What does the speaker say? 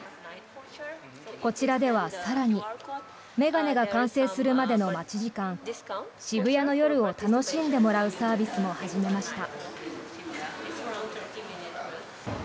こちらでは更に眼鏡が完成するまでの待ち時間渋谷の夜を楽しんでもらうサービスも始めました。